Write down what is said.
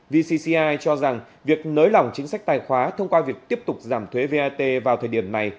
vcci cho rằng việc nới lỏng chính sách tài khoá thông qua việc tiếp tục giảm thuế vat vào thời điểm này